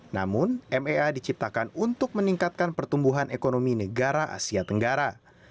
namun maa diciptakan untuk meningkatkan pertumbuhan ekonomi negara asia tenggara